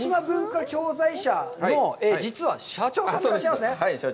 こちらの青島文化教材社の実は社長さんでいらっしゃいますね。